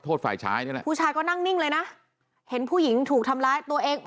ฝ่ายชายนี่แหละผู้ชายก็นั่งนิ่งเลยนะเห็นผู้หญิงถูกทำร้ายตัวเอง